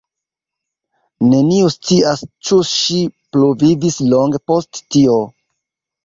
Neniu scias ĉu ŝi pluvivis longe post tio.